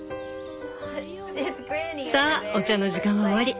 「さあお茶の時間は終わり！